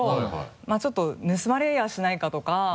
まぁちょっと盗まれやしないか？とか。